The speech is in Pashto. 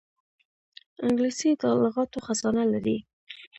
انګلیسي د لغاتو خزانه لري